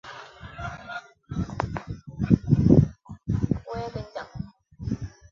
白金在一开始为了逗法兰西奴傀儡发笑而制作的四个自动傀儡。